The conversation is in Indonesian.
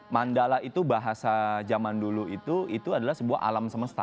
mandala itu bahasa zaman dulu itu adalah sebuah alam semesta